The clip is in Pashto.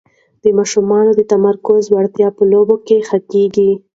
د ماشومانو د تمرکز وړتیا په لوبو کې ښه کېږي.